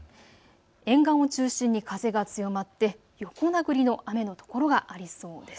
沿岸を中心に風が強まって横殴りの雨の所がありそうです。